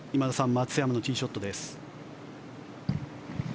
松山のティーショットです。